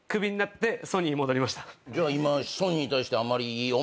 じゃあ今。